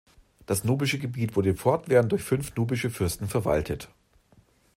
Das nubische Gebiet wurde fortwährend durch fünf nubische Fürsten verwaltet.